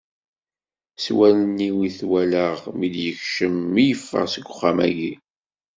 S wallen-iw i t-walaɣ mi d-yekcem, mi yeffeɣ seg uxxam-agi.